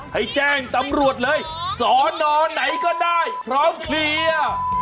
ให้แจ้งตำรวจเลยสอนอไหนก็ได้พร้อมเคลียร์